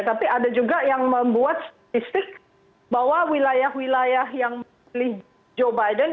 tapi ada juga yang membuat statistik bahwa wilayah wilayah yang memilih joe biden